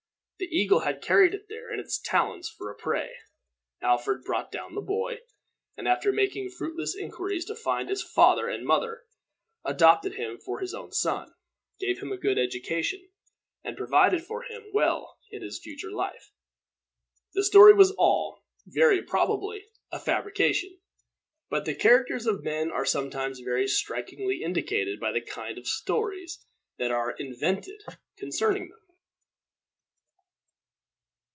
The eagle had carried it there in its talons for a prey. Alfred brought down the boy, and, after making fruitless inquiries to find its father and mother, adopted him for his own son, gave him a good education, and provided for him well in his future life. The story was all, very probably, a fabrication; but the characters of men are sometimes very strikingly indicated by the kind of stories that are invented concerning them.